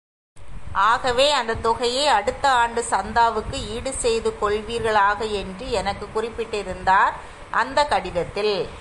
ஆகவே, அந்தத் தொகையை அடுத்த ஆண்டுச் சந்தாவுக்கு ஈடு செய்துகொள்வீர்களாக என்று எனக்கு குறிப்பிட்டிருந்தார், அந்தக் கடிதத்தில்.